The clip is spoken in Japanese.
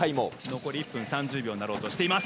残り１分３０秒になろうとしています。